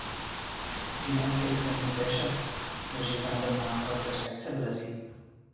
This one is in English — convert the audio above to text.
He never takes any pleasure, which is another mark of respectability.